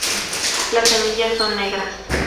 Las semillas son negras.